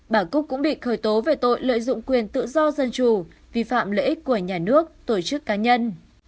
bà cúc cũng bị khởi tố về tội lợi dụng quyền tự do dân chủ vi phạm lợi ích của nhà nước tổ chức cá nhân